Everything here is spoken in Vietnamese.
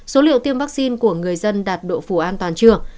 số liệu tiêm vaccine của người dân đạt độ phủ an toàn chưa